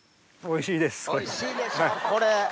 おいしいでしょこれ。